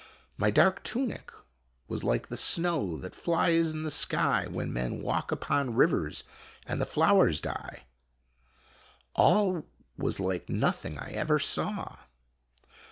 My dark tunic was like the snow that flies in the sky when men walk upon rivers and the flowers die. All was like nothing I ever saw.